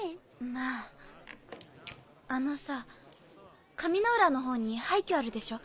まぁあのさ上之浦のほうに廃虚あるでしょ？